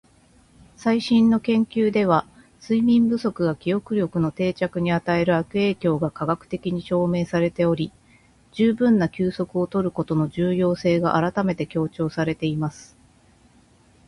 「最新の研究では、睡眠不足が記憶力の定着に与える悪影響が科学的に証明されており、十分な休息を取ることの重要性が改めて強調されています。」